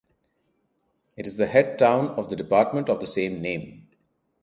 It is the head town of the department of the same name.